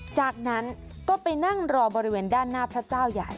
จากนั้นก็ไปนั่งรอบริเวณด้านหน้าพระเจ้าใหญ่